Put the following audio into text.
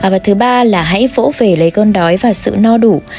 và thứ ba là hãy vỗ về lấy con đói và sự no đủ